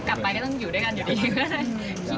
กลับไปก็ต้องอยู่ด้วยกันอยู่ดีก็ได้